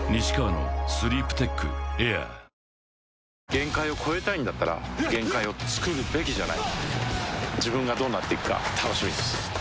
限界を越えたいんだったら限界をつくるべきじゃない自分がどうなっていくか楽しみです